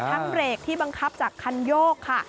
ทั้งเหล็กที่บังคับจากคันโยกค่ะ